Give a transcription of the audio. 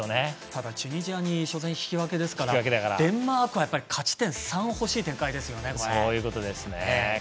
ただ、チュニジアに初戦引き分けですからデンマークは勝ち点３欲しい展開ですよね。